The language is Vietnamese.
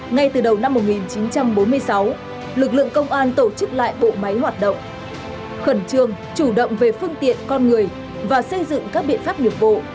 ngay từ đầu năm một nghìn chín trăm bốn mươi sáu lực lượng công an tổ chức lại bộ máy hoạt động khẩn trương chủ động về phương tiện con người và xây dựng các biện pháp nghiệp vụ